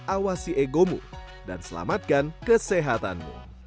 awasi egomu dan selamatkan kesehatanmu